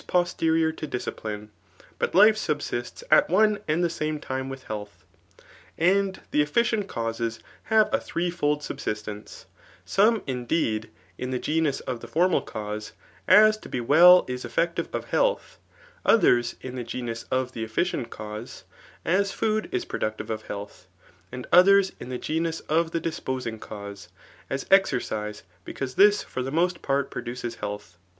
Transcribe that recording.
posterior to discipline; biit life subsists at one and the same time with heaMi« And the efficient causes have a threefold subsistence, scHne, indeed, [in the genus of the formal c^use] as to be well is effective of health ; others [in the genus of the ' efficient cause] as food is productive of health ; and others £in the genus of the litisposing cause] as exercise^ because this for the most part produces health.